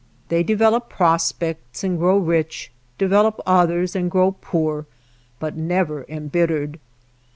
They de velop prospects and grow rich, develop oth ers and grow poor but never embittered.